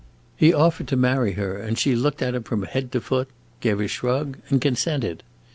He offered to marry her, and she looked at him from head to foot, gave a shrug, and consented.